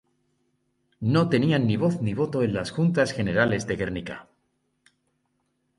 No tenían ni voz ni voto en las Juntas Generales de Gernika.